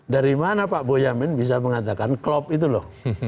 dari mana pak boyamin bisa mengatakan klop itu loh